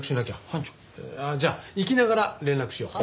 班長？じゃあ行きながら連絡しよう。